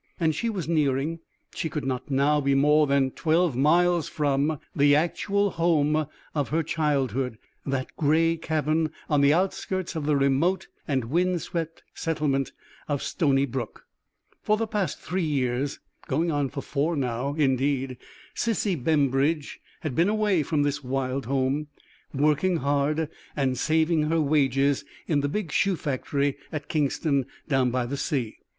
And she was nearing she could not now be more than twelve miles from the actual home of her childhood, that gray cabin on the outskirts of the remote and wind swept settlement of Stony Brook. For the past three years going on for four now, indeed Sissy Bembridge had been away from this wild home, working hard, and saving her wages, in the big shoe factory at K , down by the sea.